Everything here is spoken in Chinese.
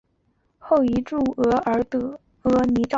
后移驻额尔德尼召。